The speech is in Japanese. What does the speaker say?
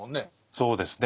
そうですね。